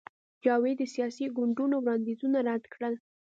جاوید د سیاسي ګوندونو وړاندیزونه رد کړل